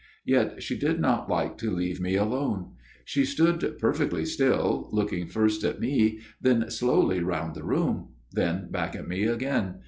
Yet she did not like to leave me alone. She stood per fectly still, looking first at me, then slowly round the room ; then back at me again.